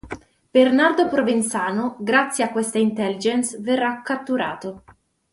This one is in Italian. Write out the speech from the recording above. Bernardo Provenzano, grazie a questa "Intelligence" verrà catturato.